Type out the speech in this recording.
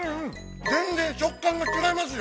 全然食感が違いますよ。